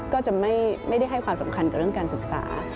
ก็จะไม่ได้ให้ความสำคัญกับเรื่องการศึกษา